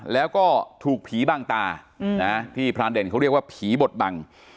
แล้วก็ถูกผีบางตาที่พรานเด่นเขาเรียกว่าผีบดบัง